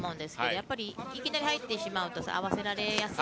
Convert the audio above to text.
やっぱり、いきなり入ってしまうと合わせられやすい。